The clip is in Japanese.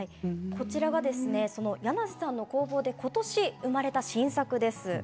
こちらが柳瀬さんの工房で今年生まれた新作です。